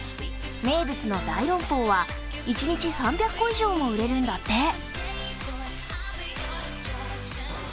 名物の大籠包は一日３００個以上も売れるんだって。